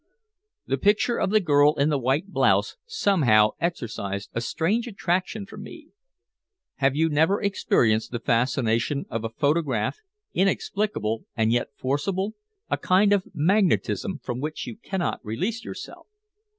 The picture of the girl in the white blouse somehow exercised a strange attraction for me. Have you never experienced the fascination of a photograph, inexplicable and yet forcible a kind of magnetism from which you cannot release yourself?